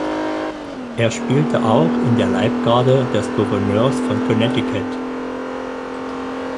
Er spielte auch in der Leibgarde des Gouverneurs von Connecticut.